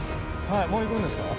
はいもう行くんですか？